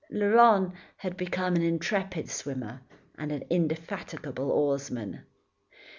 Laurent had become an intrepid swimmer, and an indefatigable oarsman.